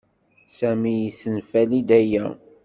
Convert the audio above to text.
Sami yessenfali-d aya.